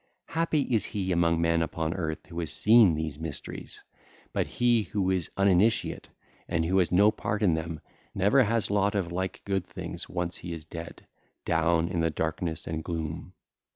Happy is he among men upon earth who has seen these mysteries; but he who is uninitiate and who has no part in them, never has lot of like good things once he is dead, down in the darkness and gloom.